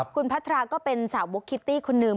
คุณพัทราก็เป็นสาวบุ๊กคิตตี้คนนึง